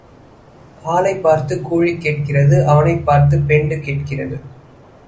ஆளைப் பார்த்துக் கூலி கேட்கிறது அவனைப் பார்த்துப் பெண்டு கேட்கிறது.